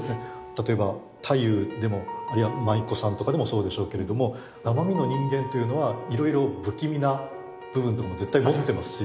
例えば太夫でもあるいは舞妓さんとかでもそうでしょうけれども生身の人間というのはいろいろ不気味な部分って絶対持ってますし。